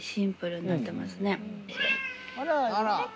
あら。